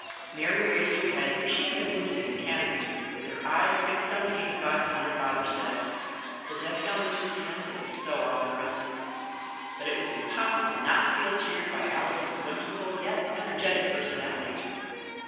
Mary raised her head, for she had been listening mechanically, with her eyes fixed on the ink spots on her father's desk, the desk on which his hand had so often rested. But it was impossible not to feel cheered by Ali son's whimsical yet energetic personality.